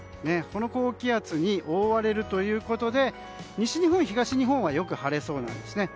この高気圧に覆われるということで西日本、東日本はよく晴れそうです。